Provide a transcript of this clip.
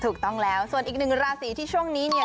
ถูกต้องแล้วส่วนอีกหนึ่งราศีที่ช่วงนี้เนี่ย